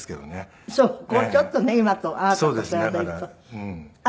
ちょっとね今とあなたと比べると。